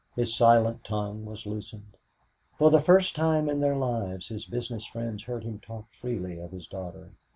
His silent tongue was loosened. For the first time in their lives, his business friends heard him talk freely of his daughter.